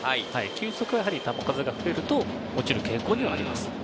球速は球数が増えると落ちる傾向にあります。